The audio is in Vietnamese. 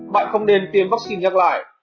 bạn không nên tiêm vắc xin nhắc lại